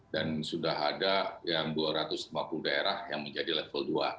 dan sudah ada yang dua ratus lima puluh daerah yang menjadi level dua